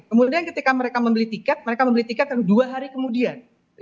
kemudian ketika mereka membeli tiket mereka membeli tiket yang dua hari kemudian